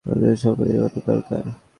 ম্যাডামের সম্পূর্ণ নীরবতা দরকার।